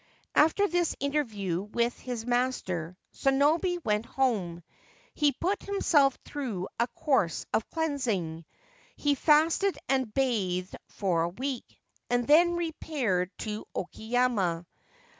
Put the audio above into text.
After this interview with his master Sonobe went home. He put himself through a course of cleansing. He fasted and bathed for a week, and then repaired to Oki yama.